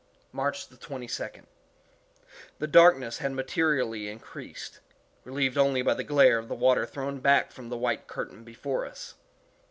March 22d. The darkness had materially increased, relieved only by the glare of the water thrown back from the white curtain before us.